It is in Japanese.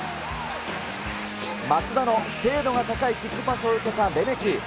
松田の精度が高いキックパスを受けたレメキ。